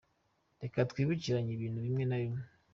Reka twibukiranye ibintu bimwe na bimwe: